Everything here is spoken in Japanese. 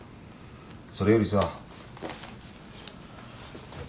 それよりさ。